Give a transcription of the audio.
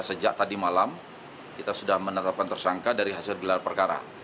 sejak tadi malam kita sudah menetapkan tersangka dari hasil gelar perkara